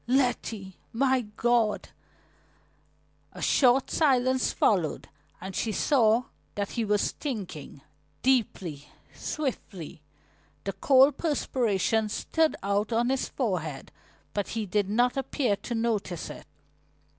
"Letty! My God!" A short silence followed and she saw that he was thinking, deeply, swiftly. The cold perspiration stood out on his forehead but he did not appear to notice it.